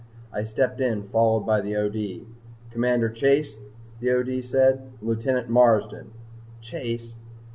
I stepped in followed by the O.D. "Commander Chase," the O.D. said. "Lieutenant Marsden." Chase!